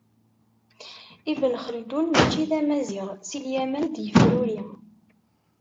Ibn Xeldun mačči d amaziɣ, si Lyaman i d-yefruri.